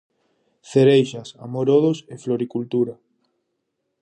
Cereixas, amorodos e floricultura.